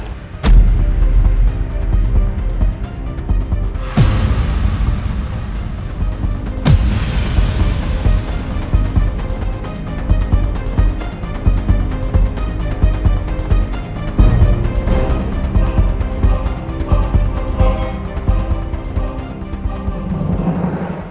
kita gak beneran pacaran